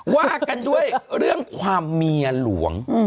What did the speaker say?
ว่ากันด้วยเรื่องความเมียหลวง